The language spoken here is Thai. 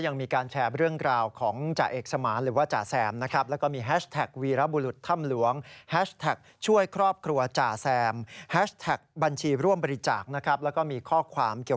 นี่เราเป็นคนที่ไม่รู้จักกันนะครับใจเรายังเป็นอย่างเงี้ย